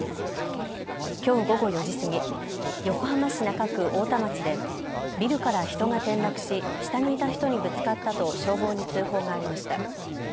きょう午後４時過ぎ横浜市中区太田町でビルから人が転落し下にいた人にぶつかったと消防に通報がありました。